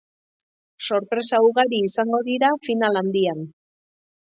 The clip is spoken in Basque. Sorpresa ugari izango dira final handian.